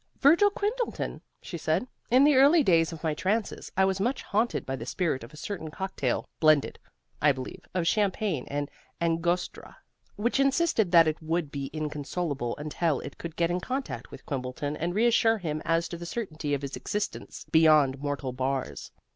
"Virgil Quimbleton," she said. "In the early days of my trances I was much haunted by the spirit of a certain cocktail blended, I believe, of champagne and angostura which insisted that it would be inconsolable until it could get in contact with Quimbleton and reassure him as to the certainty of its existence beyond mortal bars.